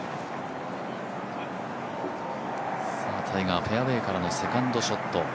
タイガー、フェアウェーからのセカンドショット。